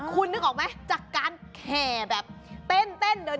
คุณนึกออกไหมจากการแห่แบบเต้นเดิน